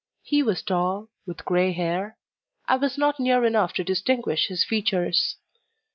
He was tall, with grey hair; I was not near enough to distinguish his features.